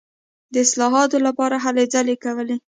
د اصلاحاتو لپاره هلې ځلې کولې.